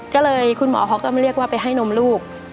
ก็เลยคุณหมอเขาก็เรียกว่าไปให้นมลูก